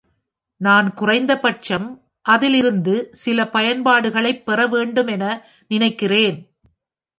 நான் குறைந்தபட்சம் அதிலிருந்து சில பயன்பாடுகளைப் பெற வேண்டும் என நினைக்கிறேன்.